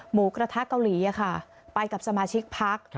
หมูกระทะเกาหลีไปกับสมาชิกพัก